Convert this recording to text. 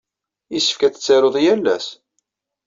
Yessefk ad tettaruḍ yal ass.